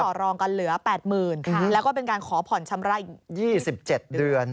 แต่ก็ต่อรองก็เหลือ๘๐๐๐๐บาทแล้วก็เป็นการขอผ่อนชำระอีก๒๗เดือน